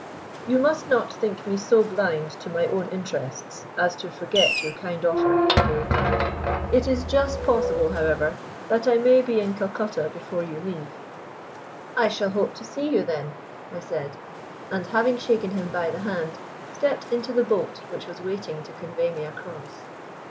"You must not think me so blind to my own interests as to forget your kind offer," he replied. "It is just possible, however, that I may be in Calcutta before you leave." "I shall hope to see you then," I said, and having shaken him by the hand, stepped into the boat which was waiting to convey me across.